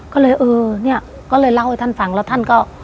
ก็เลยเออเนี่ยก็เลยเล่าให้ท่านฟังแล้วท่านก็